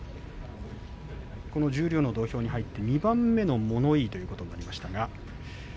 十両の土俵に入って、２番目の物言いということになります。